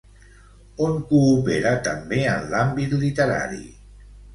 On coopera també en l'àmbit literari?